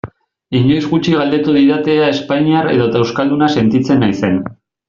Inoiz gutxi galdetu didate ea espainiar edota euskalduna sentitzen naizen.